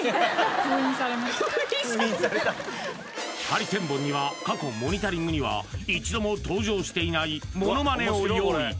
ハリセンボンには過去モニタリングには一度も登場していないモノマネを用意